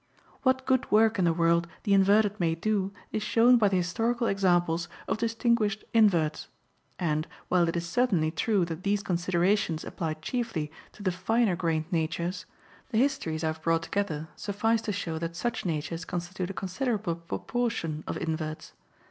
What good work in the world the inverted may do is shown by the historical examples of distinguished inverts; and, while it is certainly true that these considerations apply chiefly to the finer grained natures, the histories I have brought together suffice to show that such natures constitute a considerable proportion of inverts.